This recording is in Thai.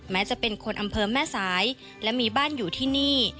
จะเป็นคนอำเภอแม่สายและมีบ้านอยู่ที่นี่